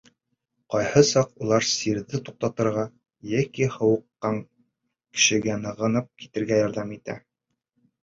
Ҡайһы саҡ улар сирҙе туҡтатырға йәки һауыҡҡан кешегә нығынып китергә ярҙам итә.